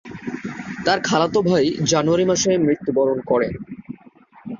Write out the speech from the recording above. তার খালাতো ভাই জানুয়ারি মাসে মৃত্যুবরণ করে।